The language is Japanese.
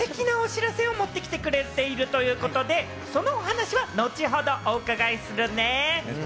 お２人は今日ステキなお知らせを持ってきてくれているということで、そのお話は後ほど、お伺いするね。